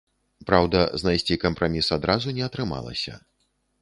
Праўда, знайсці кампраміс адразу не атрымалася.